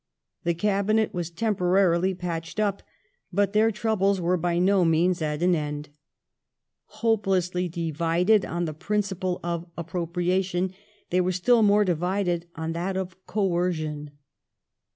The Cabinet was temporarily patched up, but their troubles were by no means at an end. Hope lessly divided on the principle of " appropriation," they were still more divided on that of "coercion